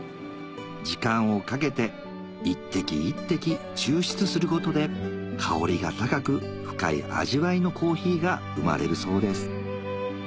時間をかけて一滴一滴抽出することで香りが高く深い味わいのコーヒーが生まれるそうです